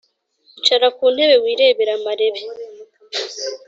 icara ku ntebe wirebere amarebe